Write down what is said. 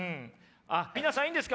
皆さんいいんですか？